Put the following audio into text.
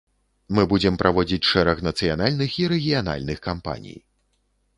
Мы будзем праводзіць шэраг нацыянальных і рэгіянальных кампаній.